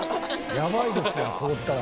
やばいですやん凍ったら。